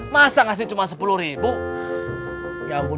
masa gak sih cuma sepuluh ribu